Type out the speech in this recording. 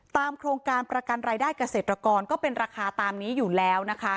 โครงการประกันรายได้เกษตรกรก็เป็นราคาตามนี้อยู่แล้วนะคะ